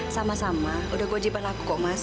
sama sama udah gua jepan aku kok mas